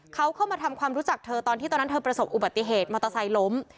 เขาเข้ามาทำความรู้จักเธอตอนที่ตอนนั้นเธอประสบอุบัติเหตุมอเตอร์ไซค์ล้ม